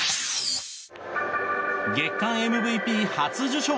月間ＭＶＰ初受賞。